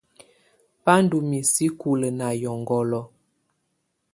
Bá ndɔ́ misí kulǝ́ na ƴɔŋhɔlɔ.